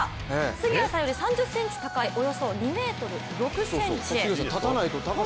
杉谷さんより３０ｃｍ高いおよそ２ｍ６ｃｍ。